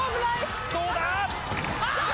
どうだ？